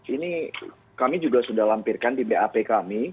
ini kami juga sudah lampirkan di bap kami